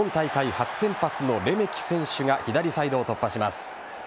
初先発のレメキ選手が左サイドを突破します。